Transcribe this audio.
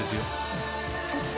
こっち？